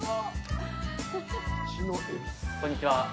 こんにちは。